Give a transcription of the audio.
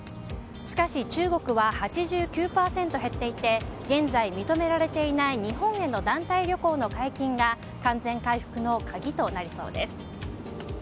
しかし中国は８９％減っていて現在、認められていない日本への団体旅行の解禁が完全回復の鍵となりそうです。